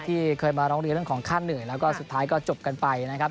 ที่เคยมาร้องเรียนเรื่องของค่าเหนื่อยแล้วก็สุดท้ายก็จบกันไปนะครับ